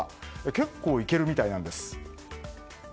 結構いけるみたいなんです。